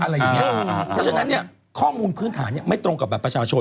เพราะฉะนั้นเนี่ยข้อมูลพื้นฐานไม่ตรงกับบัตรประชาชน